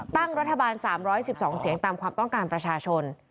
ตั้งรัฐบาล๓๑๒เสียงตามความต้องการประชาชน